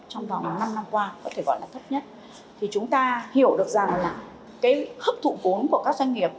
trong vòng năm năm qua có thể gọi là thấp nhất thì chúng ta hiểu được rằng là cái hấp thụ vốn của các doanh nghiệp